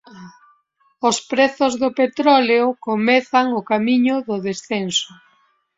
Os prezos do petróleo comezan o camiño do descenso